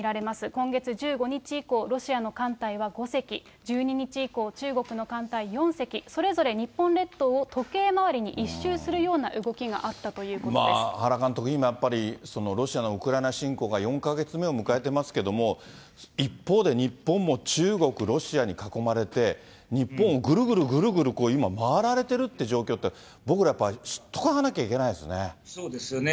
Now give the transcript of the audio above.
今月１５日以降、ロシアの艦隊は５隻、１２日以降、中国の艦隊４隻、それぞれ日本列島を時計回りに１周するような動きがあったという原監督、今やっぱり、ロシアのウクライナ侵攻が４か月目を迎えてますけれども、一方で日本も中国、ロシアに囲まれて、日本をぐるぐるぐるぐる今、回られてるって状況、僕らやっぱり知っとかなきゃいけないですね。